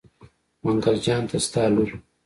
منګل جان ته ستا لور.